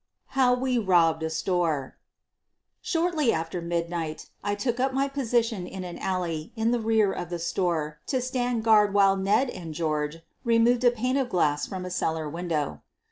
HOW WE BOBBED A STOEE Shortly after midnight I took up my position in an alley in the rear of the store to stand guard while Ned and George removed a pane of glass from a cellar window.